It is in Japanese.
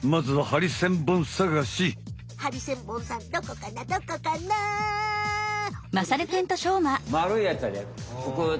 ハリセンボンさんどこかなどこかな？